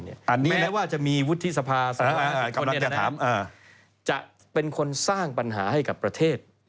แม้ว่าจะมีวุฒิสภาจะเป็นคนสร้างปัญหาให้กับประเทศ